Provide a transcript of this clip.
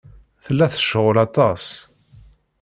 Tella tecɣel aṭas.